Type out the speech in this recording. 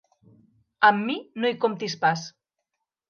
Amb mi no hi comptis pas.